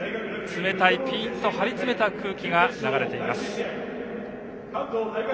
冷たい、ピンと張り詰めた空気が流れています。